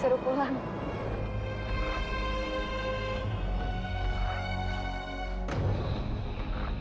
hai petika manac modern